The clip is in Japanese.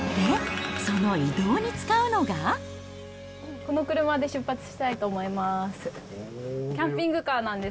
この車で出発したいと思います。